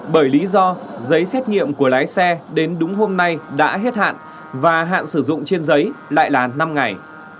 bởi lý do giấy xét nghiệm của lái xe đến đúng hôm nay đã hết hạn và hạn sử dụng trên giấy lại là năm ngày